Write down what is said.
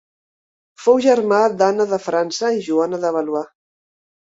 Fou germà d'Anna de França i Joana de Valois.